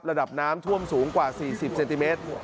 ระดับน้ำท่วมสูงกว่า๔๐เซนติเมตร